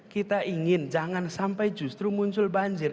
kita ingin jangan sampai justru muncul banjir